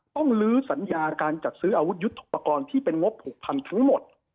ลื้อสัญญาการจัดซื้ออาวุธยุทธุปกรณ์ที่เป็นงบผูกพันทั้งหมด